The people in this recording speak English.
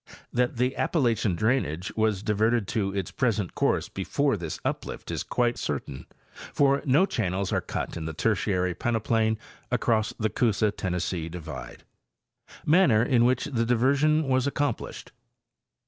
That the Appalachian drainage was diverted to its present course before this uplift is quite certain, for no channels are cut in the Tertiary peneplain across the Coosa Tennessee divide. Manner in which the Diversion was accomplished.